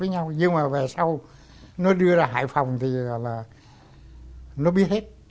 nhưng mà về sau nó đưa ra hải phòng thì là nó biết hết